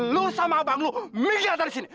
lu sama abang lu minggir datang di sini